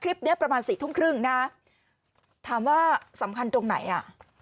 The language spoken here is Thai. เนี้ยประมาณสี่ทุ่มครึ่งนะฮะถามว่าสำคัญตรงไหนอ่ะ